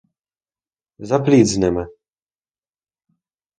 За пліт з ними!